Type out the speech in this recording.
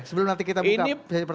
sebelum nanti kita bisa pertanyaan